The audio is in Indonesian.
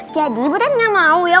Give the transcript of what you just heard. jadi butet gak mau ya